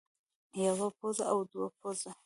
يوه پوزه او دوه پوزې